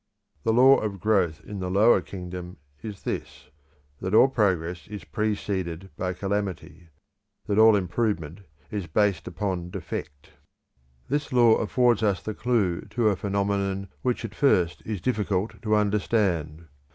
The law of growth in the lower kingdom is this, that all progress is preceded by calamity, that all improvement is based upon defect. This law affords us the clue to a phenomenon which at first is difficult to understand.